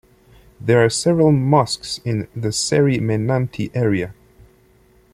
There are several mosques in the Seri Menanti area.